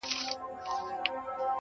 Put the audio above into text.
اوس چي زه ليري بل وطن كي يمه_